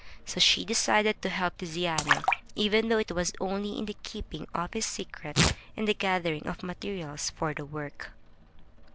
So she decided to help Tiziano, even though it was only in the keeping of his secret and the gathering of materials for the work.